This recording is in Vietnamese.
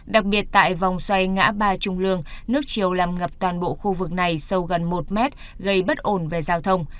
đặc biệt tại vòng xoay ngã ba trung lương nước chiều làm ngập toàn bộ khu vực này sâu gần một mét gây bất ổn về giao thông